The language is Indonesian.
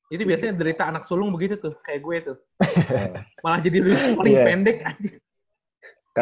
jadi biasanya derita anak sulung begitu tuh kayak gue tuh malah jadi lu yang paling pendek aja